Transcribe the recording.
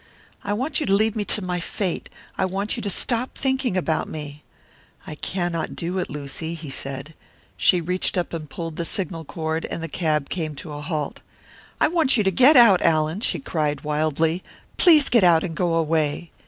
I want you to leave me to my fate! I want you to stop thinking about me!" "I cannot do it, Lucy," he said. She reached up and pulled the signal cord; and the cab came to a halt. "I want you to get out, Allan!" she cried wildly. "Please get out, and go away."